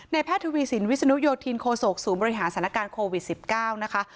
แพทย์ทวีสินวิศนุโยธินโคศกศูนย์บริหารสถานการณ์โควิด๑๙นะคะ